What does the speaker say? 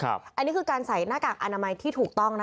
อันนี้คือการใส่หน้ากากอนามัยที่ถูกต้อง